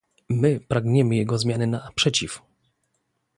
My pragniemy jego zmiany na "przeciw"